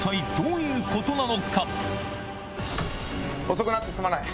遅くなってすまない。